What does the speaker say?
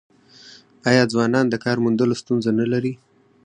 آیا ځوانان د کار موندلو ستونزه نلري؟